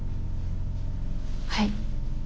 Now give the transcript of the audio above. はい。